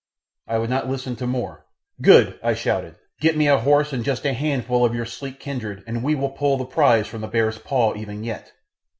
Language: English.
I would not listen to more. "Good!" I shouted. "Get me a horse and just a handful of your sleek kindred and we will pull the prize from the bear's paw even yet!